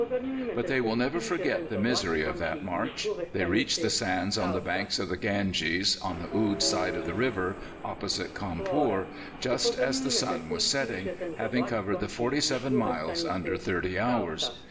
But they will never forget the misery of that march. They reached the sands on the banks of the Ganges, on the Oude side of the river opposite Cawnpore, just as the sun was setting, having covered the forty seven miles under thirty hours.